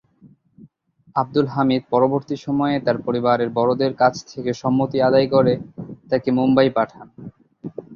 আবদুল হামিদ পরবর্তী সময়ে তার পরিবারের বড়দের কাছ থেকে সম্মতি আদায় করে তাকে মুম্বাই পাঠান।